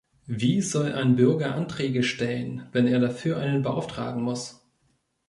Wie soll ein Bürger Anträge stellen, wenn er dafür einen beauftragen muss?